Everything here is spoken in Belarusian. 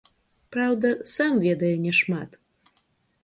Праўда, сам ведае няшмат.